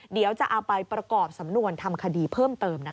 เดี๋ยวจะเอาไปประกอบสำนวนทำคดีเพิ่มเติมนะคะ